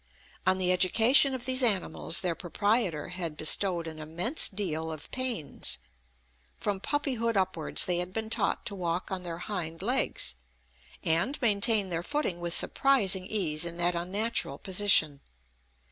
On the education of these animals their proprietor had bestowed an immense deal of pains. From puppyhood upwards they had been taught to walk on their hind legs, and maintain their footing with surprising ease in that unnatural position.